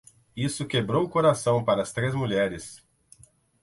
Isso quebrou o coração para as três mulheres.